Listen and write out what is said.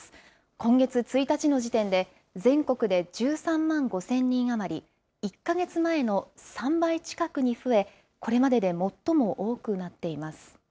今月１日の時点で、全国で１３万５０００人余り、１か月前の３倍近くに増え、これまでで最も多くなっています。